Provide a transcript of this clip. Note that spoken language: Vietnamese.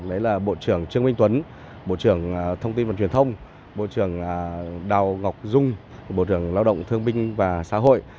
đấy là bộ trưởng trương minh tuấn bộ trưởng thông tin và truyền thông bộ trưởng đào ngọc dung bộ trưởng lao động thương binh và xã hội